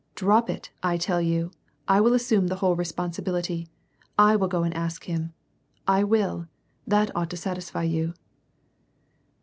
*• Drop it, 1 tell you. I will assume the whole responsibility. I will go and ask him. I will. That ought to satisfy you."